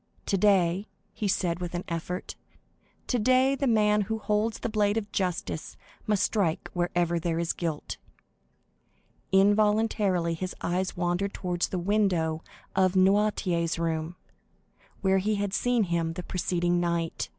"Today," he said with an effort,—"today the man who holds the blade of justice must strike wherever there is guilt." Involuntarily his eyes wandered towards the window of Noirtier's room, where he had seen him the preceding night.